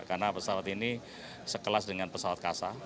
karena pesawat ini sekelas dengan pesawat kasar